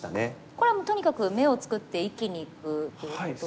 これはもうとにかく眼を作って生きにいくということですか。